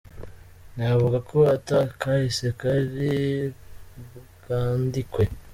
"Novuga ko ata kahise kari bwandikwe.